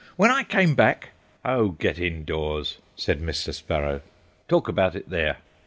When I came back—" "Oh, get indoors," said Mr. Sparrow, "talk about it there."